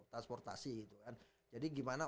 transportasi itu kan jadi gimana